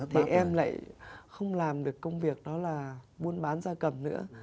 thì em lại không làm được công việc đó là buôn bán gia cầm nữa